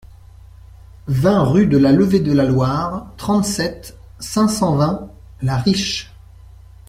vingt rue de la Levée de la Loire, trente-sept, cinq cent vingt, La Riche